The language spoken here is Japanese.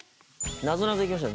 なぞなぞいきましょう